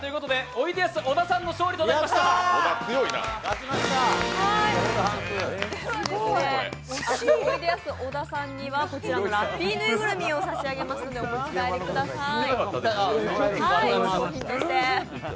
おいでやす小田さんにはこちらのラッピーぬいぐるみを差し上げますのでお持ち帰りください。